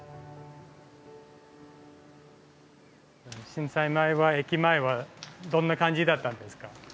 震災前は駅前はどんな感じだったんですか？